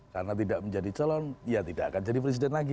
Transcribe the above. karena tidak menjadi calon ya tidak akan jadi presiden lagi